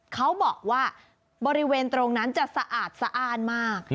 เขาบอกว่าบริเวณตรงนั้นจะสะอาดสะอ้านมาก